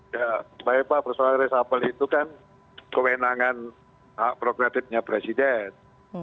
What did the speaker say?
ya baik pak soal resapel itu kan kewenangan prokretifnya presiden